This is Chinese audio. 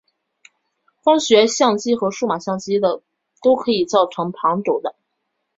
光学相机和数码相机都可以造成旁轴的。